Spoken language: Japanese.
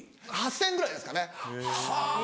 ８０００円ぐらいですかね。